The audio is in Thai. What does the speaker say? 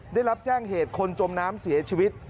ได้รับแจ้งเหตุคนจมน้ำเสียชีวิต